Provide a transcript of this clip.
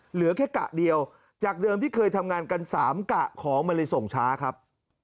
เหลือแค่กะเดียวจากเดิมที่เคยทำงานกันสามกะของมันเลยส่งช้าครับ